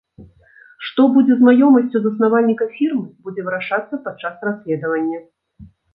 Што будзе з маёмасцю заснавальніка фірмы, будзе вырашацца падчас расследавання.